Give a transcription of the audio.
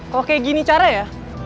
kok kayak gini cara ya